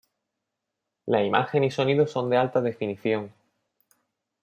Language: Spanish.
La imagen y sonido son de alta definición.